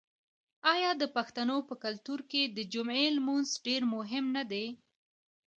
آیا د پښتنو په کلتور کې د جمعې لمونځ ډیر مهم نه دی؟